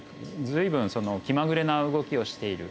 随分気まぐれな動きをしている。